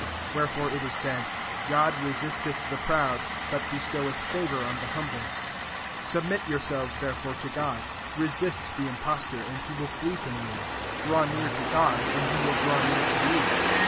Wherefore it is said, " God resisteth the proud, but be stoweth favour on the humble." 7 Submit yourselves therefore to God: resist the impostor^ and he will fiee from you : 8 draw near to God, and he will draw near to you.